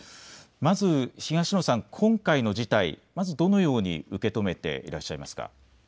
まず今回の事態、どのように受け止めていらっしゃいますか。